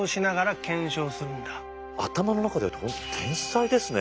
頭の中でやるって本当天才ですね。